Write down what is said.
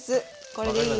これでいい。